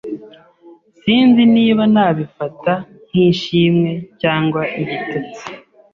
Sinzi niba nabifata nk'ishimwe cyangwa igitutsi.